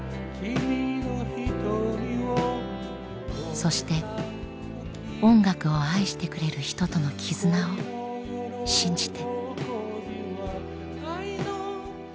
そして音楽を愛してくれる人との絆を信じて。